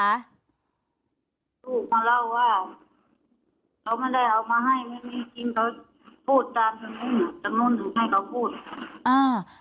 ลูกมาเล่าว่าเขามันได้เอามาให้ไม่มีกินเขาพูดจานถึงนึง